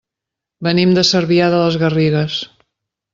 Venim de Cervià de les Garrigues.